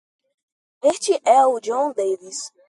Este é o Jon Davis.